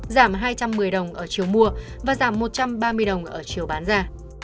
giảm hai trăm một mươi đồng ở chiều mua và giảm một trăm ba mươi đồng ở chiều bán ra